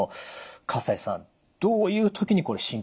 西さんどういう時にこれ心配なんですか？